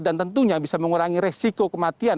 tentunya bisa mengurangi resiko kematian